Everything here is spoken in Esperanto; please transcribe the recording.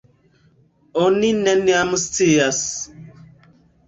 Oni neniam scias!